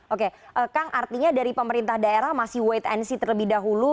oke kang artinya dari pemerintah daerah masih wait and see terlebih dahulu